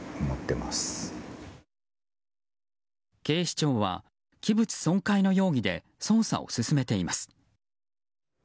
警視庁は器物損壊の容疑で捜査を進めています。